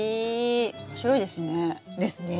面白いですね。